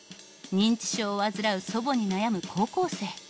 認知症を患う祖母に悩む高校生。